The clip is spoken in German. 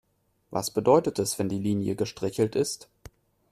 Was bedeutet es, wenn die Linie gestrichelt ist?